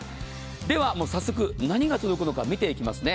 では早速、何が届くのか、見ていきますね。